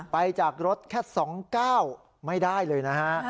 ไปจากรถแค่๒๙ไม่ได้เลยนะฮะ